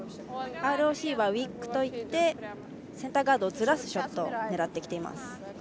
ＲＯＣはウィックといってセンターガードをずらすショットを狙ってきています。